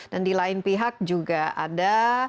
dan di lain pihak juga ada